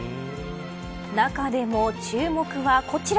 中でも、注目は、こちら。